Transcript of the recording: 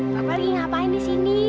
bapak lagi ngapain di sini